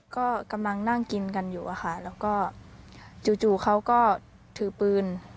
ก็กำลังนั่งกินกันอยู่อะค่ะแล้วก็จู่เขาก็ถือปืน